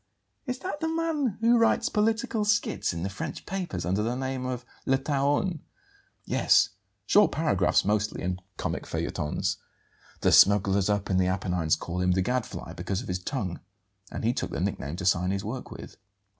"Is that the man who writes political skits in the French papers under the name of 'Le Taon'?" "Yes; short paragraphs mostly, and comic feuilletons. The smugglers up in the Apennines called him 'the Gadfly' because of his tongue; and he took the nickname to sign his work with."